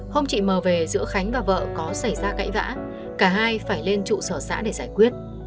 không chị mờ về giữa khánh và vợ có xảy ra cãi vã cả hai phải lên trụ sở xã để giải quyết